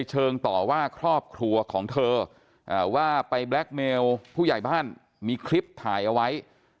เชิงต่อว่าครอบครัวของเธอว่าไปแบล็คเมลผู้ใหญ่บ้านมีคลิปถ่ายเอาไว้